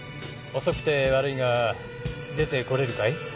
遅くて悪いが出てこれるかい？